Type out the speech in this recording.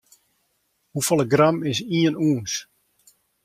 Hoefolle gram is ien ûns?